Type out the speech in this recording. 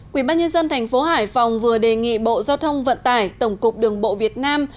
quỹ bác nhân dân thành phố hải phòng vừa đề nghị bộ giao thông vận tải tổng cục đường bộ việt nam